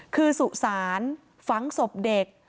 คือสุสานฝังศพเด็ก